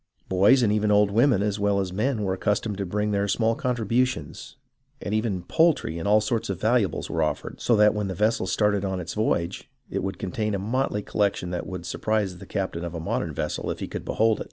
Boys and even old women as well as men were accustomed to bring their small contributions, and even poultry and all sorts of valuables were offered, so that when the vessel started on its voyage it would^ contain a motley collection that would surprise the captain of a modern vessel if he could behold it.